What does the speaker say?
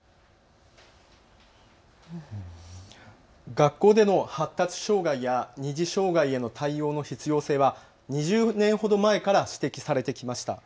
学校での発達障害や二次障害への対応の必要性は２０年ほど前から指摘されてきました。